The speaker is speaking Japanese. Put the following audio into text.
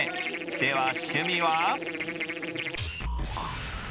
では趣味は？